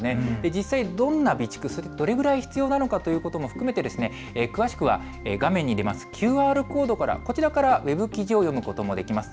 実際、どんな備蓄がどれぐらい必要なのかということも含めて詳しくは画面に出ているＱＲコードからウェブ記事を読むこともできます。